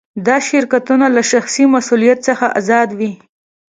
دا شرکتونه له شخصي مسوولیت څخه آزاد وي.